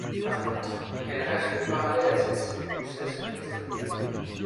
Par contre, elle reste parallèle à celle-ci jusqu'à son extrémité nord.